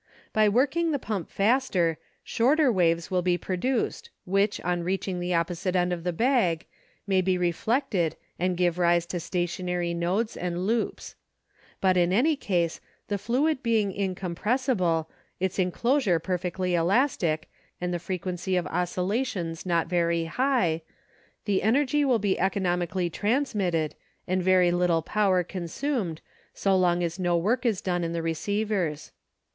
By working the pump faster, shorter waves will be produced which, on reaching the opposite end of the bag, may be reflected and give rise to stationary nodes and loops, but in any case, the fluid being incompressible, its inclosure perfectly elastic, and the frequency of oscillations not very high, the energy will be economic ally transmitted and very little power con sumed so long as no work is done in the receivers.